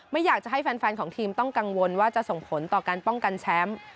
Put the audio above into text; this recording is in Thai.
ไม่อยากจะให้แฟนของทีมต้องกังวลว่าจะส่งผลต่อการป้องกันแชมป์